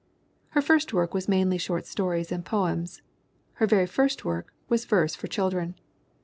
Her first work was mainly short stories and poems. Her very first work was verse for children.